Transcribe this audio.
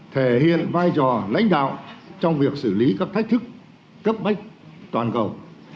thể hiện vai trò lãnh đạo trong việc xử lý các thách thức cấp bách toàn cầu